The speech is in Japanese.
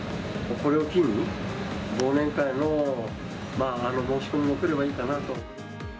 これを機に忘年会の申し込みも来ればいいかなと。